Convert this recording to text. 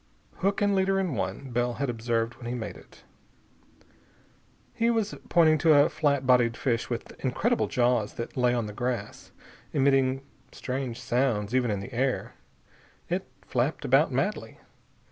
"Hook and leader in one," Bell had observed when he made it. He was pointing to a flat bodied fish with incredible jaws that lay on the grass, emitting strange sounds even in the air. It flapped about madly.